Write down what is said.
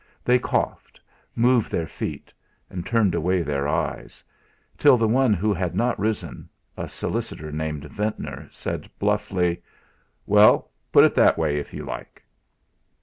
They coughed, moved their feet, and turned away their eyes, till the one who had not risen, a solicitor named Ventnor, said bluffly: "Well, put it that way if you like."